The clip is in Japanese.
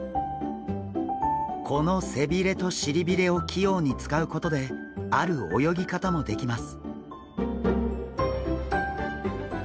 この背びれとしりびれを器用に使うことである泳ぎ方もできます。